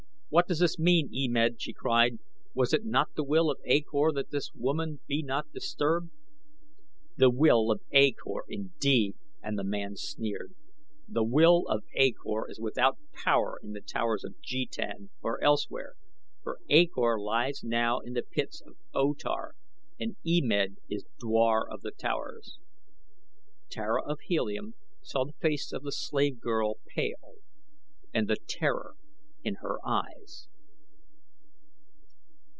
"What does this mean, E Med?" she cried, "was it not the will of A Kor that this woman be not disturbed?" "The will of A Kor, indeed!" and the man sneered. "The will of A Kor is without power in The Towers of Jetan, or elsewhere, for A Kor lies now in the pits of O Tar, and E Med is dwar of the Towers." Tara of Helium saw the face of the slave girl pale and the terror in her eyes.